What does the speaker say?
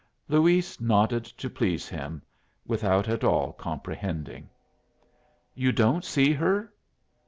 Luis nodded to please him, without at all comprehending. "You don't see her."